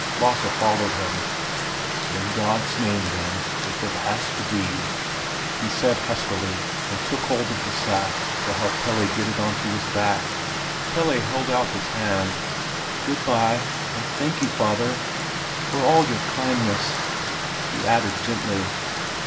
Lasse followed him. "In God's name then, if it has to be!" he said huskily, and took hold of the sack to help Pelle get it onto his back. Pelle held out his hand. "Good bye and thank you, father—for all your kindness!" he added gently.